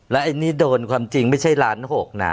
แล้วไอ้นี่โดนความจริงไม่ใช่ล้าน๖นะ